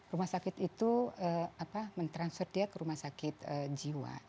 rumah sakit itu mentransfer dia ke rumah sakit jiwa